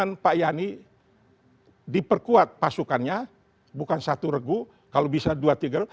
dengan pak yani diperkuat pasukannya bukan satu regu kalau bisa dua tiga